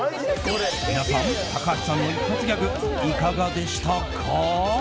皆さん、高橋さんの一発ギャグいかがでしたか？